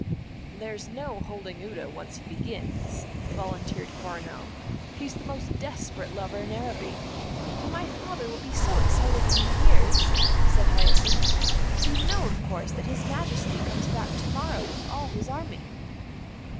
"There's no holding Udo once he begins," volunteered Coronel. "He's the most desperate lover in Araby. "My father will be so excited when he hears," said Hyacinth. "You know, of course, that his Majesty comes back to morrow with all his army."